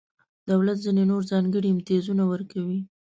دولت ځینې نور ځانګړي امتیازونه ورکوي.